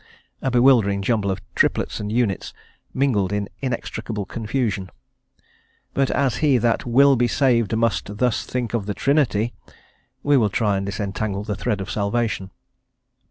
A bewildering jumble of triplets and units, mingled in inextricable confusion. But as he that "will be saved must thus think of the Trinity," we will try and disentangle the thread of salvation.